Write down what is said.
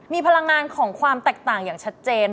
มีพลังงานของความแตกต่างอย่างชัดเจน